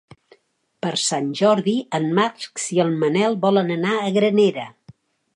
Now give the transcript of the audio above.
Per Sant Jordi en Max i en Manel volen anar a Granera.